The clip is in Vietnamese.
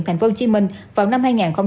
tp hcm vào năm hai nghìn một mươi chín